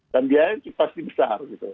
dan biaya pasti besar